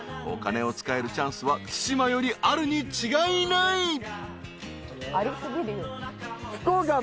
［お金を使えるチャンスは対馬よりあるに違いない］